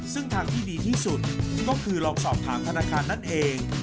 ซึ่งทางที่ดีที่สุดก็คือลองสอบถามธนาคารนั่นเอง